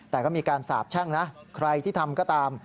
แต่ก็มีการสาบแช่งนะใครที่ทำก็ตาม